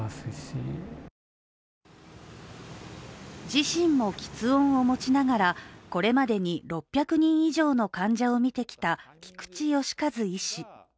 自身もきつ音を持ちながら、これまでに６００人以上の患者を診てきた菊池良和医師。